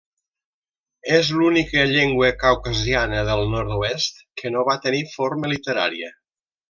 És l'única llengua caucasiana del nord-oest que no va tenir forma literària.